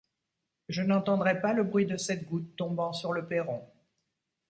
Je n'entendrai pas le bruit de cette goutte tombant sur le perron.